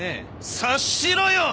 察しろよ！